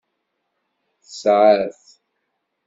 Tesɛa-t.